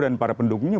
dan para pendukungnya